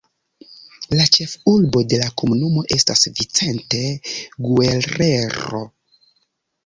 La ĉefurbo de la komunumo estas Vicente Guerrero.